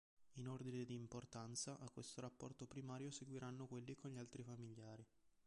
In ordine di importanza a questo rapporto primario seguiranno quelli con gli altri familiari.